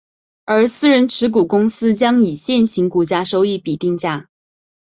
而私人持股公司将以现行股价收益比定价。